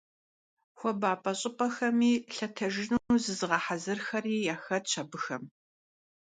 Xuabap'e ş'ıp'exem lhetejjınu zızığehezıraxeri yaxetş abıxem.